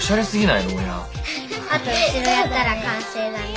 あと後ろやったら完成だね。